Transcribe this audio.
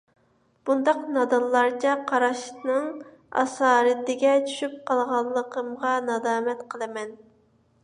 بۇنداق نادانلارچە قاراشنىڭ ئاسارىتىگە چۈشۈپ قالغانلىقىمغا نادامەت قىلىمەن.